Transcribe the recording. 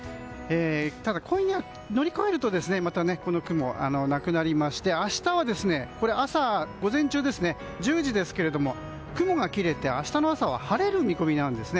ただ、今夜を乗り越えるとこの雲はなくなりまして明日は午前中ですね１０時ですけれども雲が切れて、明日の朝は晴れる見込みなんです。